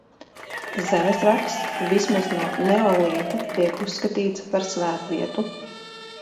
Zemesrags vismaz no neolīta tiek uzskatīts par svētvietu.